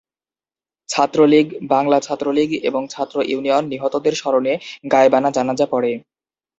ছাত্রলীগ, বাংলা ছাত্রলীগ এবং ছাত্র ইউনিয়ন নিহতদের স্মরণে গায়েবানা জানাজা পড়ে।